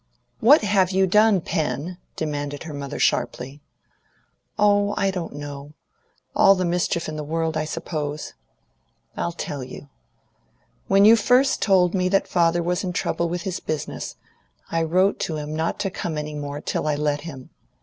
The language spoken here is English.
"What have you done, Pen?" demanded her mother sharply. "Oh, I don't know. All the mischief in the world, I suppose. I'll tell you. When you first told me that father was in trouble with his business, I wrote to him not to come any more till I let him.